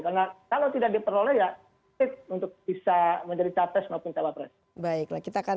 karena kalau tidak diperoleh ya fit untuk bisa menjadi capres maupun cawapres baiklah kita akan